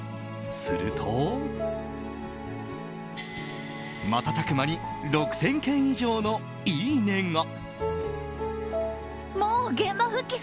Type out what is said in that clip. すると、瞬く間に６０００件以上のいいねが。